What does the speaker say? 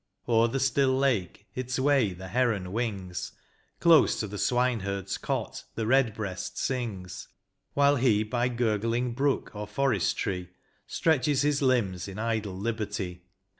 O'er the still lake its way the heron wings, Close to the swineherd's cot the redbreast sings. While he by gurgling brook or forest tree Stretches his limbs in idle liberty.